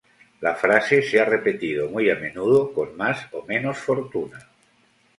La frase se ha repetido muy a menudo, con más o menos fortuna.